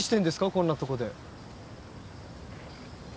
こんなとこで。